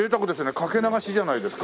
かけ流しじゃないですか。